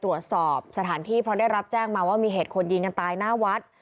ตรวจสอบสถานที่เพราะได้รับแจ้งมาว่ามีเหตุคนยิงกันตายหน้าวัด